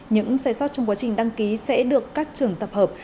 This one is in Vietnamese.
những sai sót trong quá trình đăng ký sẽ được các trường tập hợp